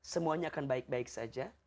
semuanya akan baik baik saja